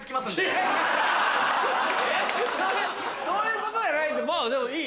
そういうことじゃないまぁでもいい？